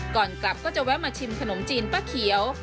ก่อนกลับก็จะแวะมาชิมขนมจีนป้าเขียว